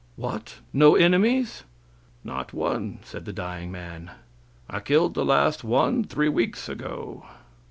"What! no enemies?" "Not one," said the dying man, "I killed the last one three weeks ago."